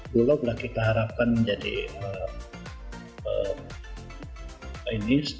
bulog kita harapkan menjadi ini